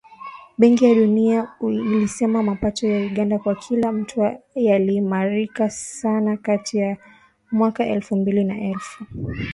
Benki ya Dunia ilisema mapato ya Uganda kwa kila mtu yaliimarika sana kati ya mwaka elfu mbili na elfu mbili ishirini.